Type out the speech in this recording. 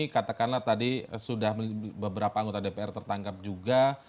katakanlah tadi sudah beberapa anggota dpr tertangkap juga